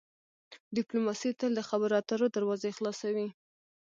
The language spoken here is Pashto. ډیپلوماسي تل د خبرو اترو دروازې خلاصوي.